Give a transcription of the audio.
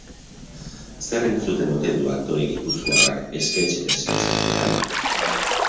Zer entzuten ote du aktore gipuzkoarrak sckech eta sckech artean?